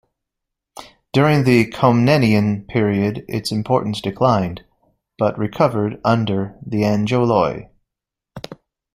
During the Komnenian period, its importance declined, but recovered under the Angeloi.